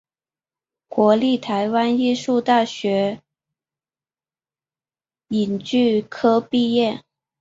国立台湾艺术大学影剧科毕业。